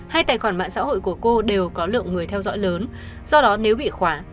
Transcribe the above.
hay tài khoản mạng xã hội của cô đều có lượng người theo dõi lớn do đó nếu bị khóa